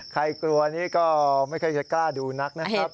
กลัวนี่ก็ไม่ค่อยจะกล้าดูนักนะครับ